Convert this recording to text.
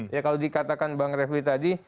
ya kalau dikatakan bang refli tadi